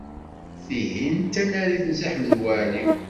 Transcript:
Tihin d tanarit n Si Ḥmed Waɛli.